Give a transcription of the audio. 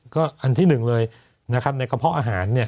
ก็อันที่หนึ่งเลยนะครับในกระเพาะอาหาร